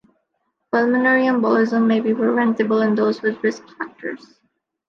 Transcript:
Pulmonary embolism may be preventable in those with risk factors.